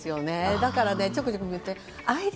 だからちょくちょく行ってて。